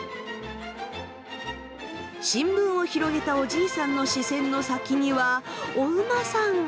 新聞を広げたおじいさんの視線の先にはお馬さん。